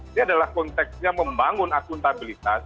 ini adalah konteksnya membangun akuntabilitas